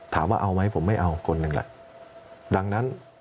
ถามว่าเอาไหมผมไม่เอาคนหนึ่งแหละดังนั้น